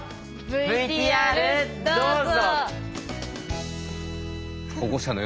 ＶＴＲどうぞ！